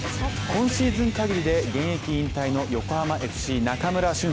今シーズン限りで現役引退の横浜ＦＣ・中村俊輔。